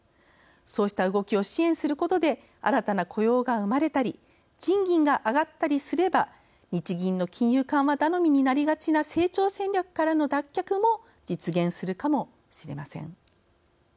そうした動きを支援することで新たな雇用が生まれたり賃金が上がったりすれば日銀の金融緩和頼みになりがちな成長戦略からの脱却も実現するかもしれません。